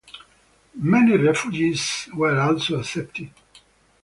Many refugees were also accepted.